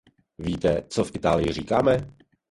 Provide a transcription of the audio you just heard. Víte, co v Itálii říkáme?